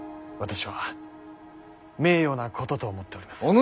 私は名誉なことと思っております。